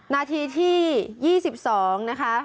นาทีที่๒๒นะคะ